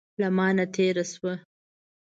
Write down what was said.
له مانه تېره شوه.